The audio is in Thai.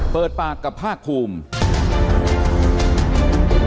เปิดปากกับภาคภูมิ